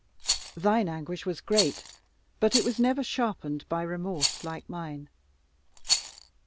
Thine anguish was great, but it was never sharpened by remorse like mine.